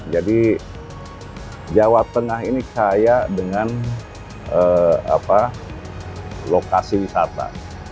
jadi jawa tengah ini kaya dengan lokasi wisata